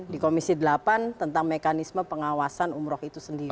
di komisi delapan tentang mekanisme pengawasan umroh itu sendiri